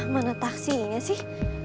mana taksinya sih